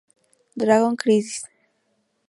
Dragon Crisis!